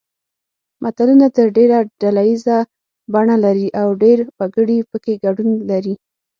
متلونه تر ډېره ډله ییزه بڼه لري او ډېر وګړي پکې ګډون لري